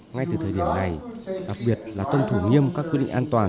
ngay từ thời điểm này đặc biệt là tuân thủ nghiêm các quy định an toàn